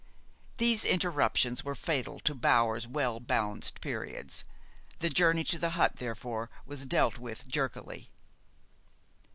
These interruptions were fatal to Bower's well balanced periods. The journey to the hut, therefore, was dealt with jerkily.